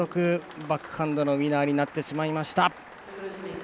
バックハンドのウイナーになってしまいました。